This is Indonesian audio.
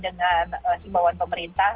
dengan simpawan pemerintah